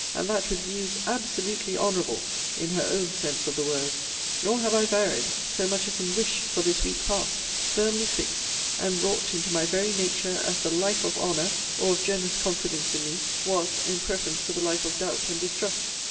and that with views absolutely honourable, in her own sense of the word: nor have I varied, so much as in wish, for this week past; firmly fixed, and wrought into my very nature, as the life of honour, or of generous confidence in me, was, in preference to the life of doubt and distrust.